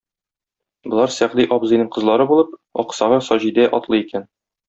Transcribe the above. Болар Сәгъди абзыйның кызлары булып, аксагы Саҗидә атлы икән.